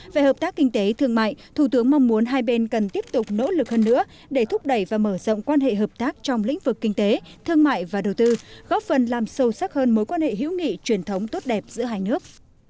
về hợp tác kinh tế thương mại thủ tướng mong muốn hai bên cần tiếp tục nỗ lực hơn nữa để thúc đẩy và mở rộng quan hệ hợp tác trong lĩnh vực kinh tế thương mại và đầu tư góp phần làm sâu sắc hơn mối quan hệ hữu nghị truyền thống tốt đẹp giữa hai nước